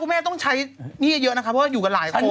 ครูแม่ต้องใช้นี่เยอะนะคะเพราะอยู่กับหลายคน